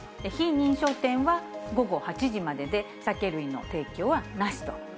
非認証店は午後８時までで、酒類の提供はなしと。